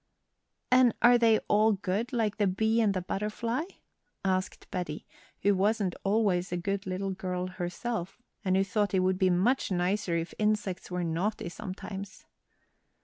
"And are they all good, like the bee and the butterfly?" asked Betty, who wasn't always a good little girl herself, and who thought it would be much nicer if insects were naughty sometimes.